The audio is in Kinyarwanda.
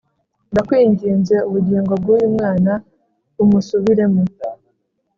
Ndakwinginze ubugingo bw’uyu mwana bumusubiremo